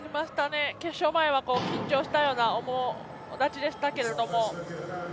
決勝前は緊張したような面持ちでしたけども。